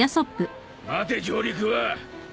待て上陸は。